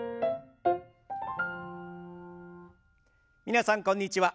皆さんこんにちは。